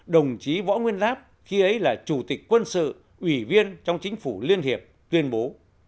đồng chí võ nguyên giáp khi ấy là chủ tịch quân sự ủy viên trong chính phủ liên hiệp tuyên bố